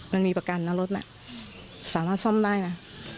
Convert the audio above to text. มันมีประกันนะรถน่ะสามารถซ่อมได้นะ